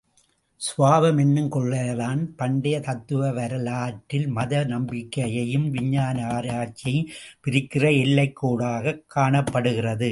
சுவாவம் என்னும் கொள்கைதான் பண்டையத் தத்துவ வரலாற்றில் மத நம்பிக்கையையும், விஞ்ஞான ஆராய்ச்சியையும் பிரிக்கிற எல்லைக்கோடாகக் காணப்படுகிறது.